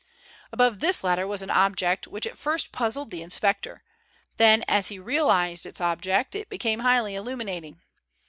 Above this ladder was an object which at first puzzled the inspector, then as he realized its object, it became highly illuminating.